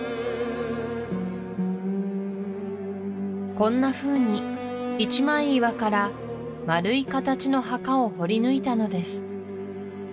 こんなふうに一枚岩から丸い形の墓を掘りぬいたのです